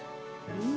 うん。